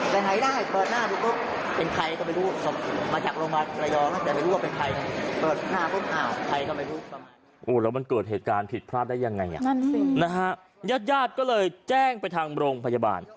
แล้วมันเกิดเหตุการณ์ผิดพลาดได้ยังไงยาดก็เลยแจ้งไปทางโบรงพยาบาล